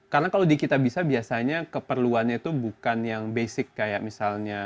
karena kalau di kitabisa biasanya keperluannya itu bukan yang basic kayak misalnya